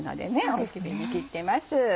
大きめに切ってます。